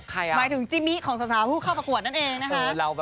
หมายถึงจิมิของสาวผู้เข้าประกวดนั่นเองนะคะ